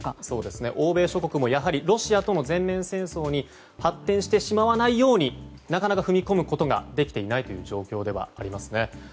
欧米諸国もやはりロシアとの全面戦争に発展してしまわないようになかなか踏み込むことができていない状況ではありますね。